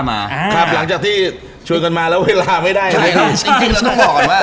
สวัสดีครับ